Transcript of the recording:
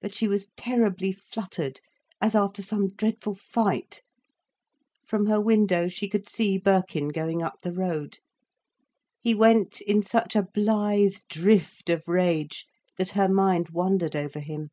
But she was terribly fluttered, as after some dreadful fight. From her window, she could see Birkin going up the road. He went in such a blithe drift of rage, that her mind wondered over him.